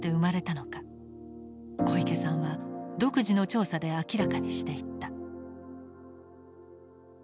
小池さんは独自の調査で明らかにしていった。